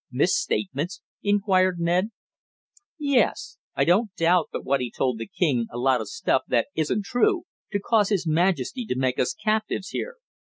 "Misstatements?" inquired Ned. "Yes. I don't doubt but what he told the king a lot of stuff that isn't true, to cause his majesty to make us captives here.